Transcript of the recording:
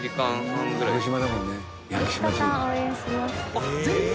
あっ全部！？